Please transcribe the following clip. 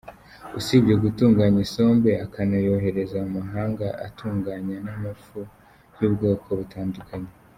Usibye gutunganya isombe akanayohereza mu mahanga, atunganya n’amafu y’ubwoko butandukanye.